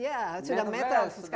ya sudah meta